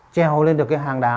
treo lên được cái hang đá